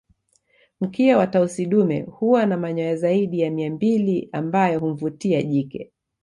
Mkia wa Tausi dume huwa na manyoya zaidi ya mia mbili ambayo humvutia jike